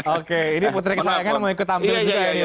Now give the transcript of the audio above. oke ini putri kesayangan mau ikut tampil juga ya